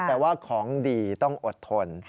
แต่ว่าของดีต้องอดทน